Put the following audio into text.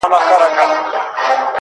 خدایه نور یې د ژوندو له کتار باسه